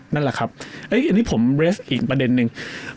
นั่นแหละครับอันนี้ผมเรสอีกประเด็นนึง